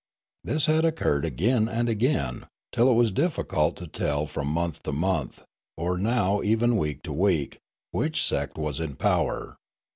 This had occurred again and again, till it was difficult to tell from month to month, or now even week to week, which sect was in power.